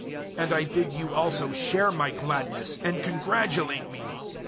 002:018 And I bid you also share my gladness, and congratulate me.